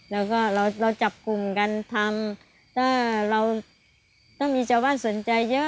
แล้วก็เราจับกลุ่มกันทำถ้าเราถ้ามีชาวบ้านสนใจเยอะ